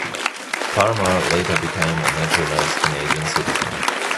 Parmar later became a naturalized Canadian citizen.